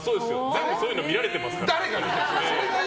そういうの見られてますから。